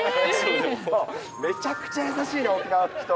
めちゃくちゃ優しいな、沖縄の人。